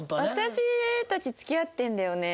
「私たち付き合ってるんだよね？」。